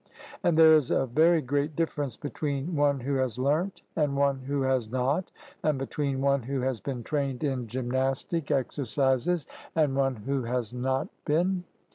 And there is a very great difference between one who has learnt and one who has not, and between one who has been trained in gymnastic exercises and one who has not been.